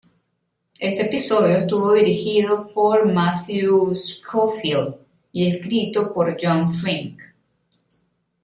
Este episodio estuvo dirigido por Matthew Schofield y escrito por John Frink.